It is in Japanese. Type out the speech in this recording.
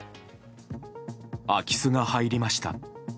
空き巣が入りました。